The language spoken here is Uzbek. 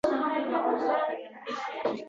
Istagim, bugundan boshlab sen ham shunday qilsang.